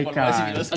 itu dia evaluasi gitu